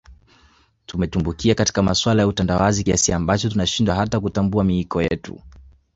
Tumetumbukia katika masuala ya utandawazi kiasi ambacho tunashindwa hata kutambua miiko yetu